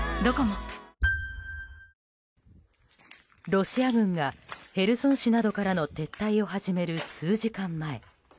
ロシア軍がヘルソン市などからの撤退を始める、数時間前。